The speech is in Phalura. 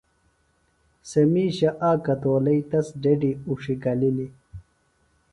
سےۡ مِیشہ اک کتولئیۡ تس ڈڈیۡ اُڇھیۡ گلِلیۡ